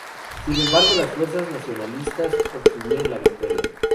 Sin embargo, las fuerzas nacionalistas obtuvieron la victoria.